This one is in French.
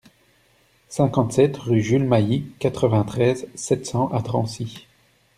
cinquante-sept rue Jules Mailly, quatre-vingt-treize, sept cents à Drancy